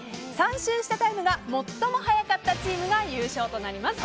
３周したタイムが最も速かったチームが優勝となります。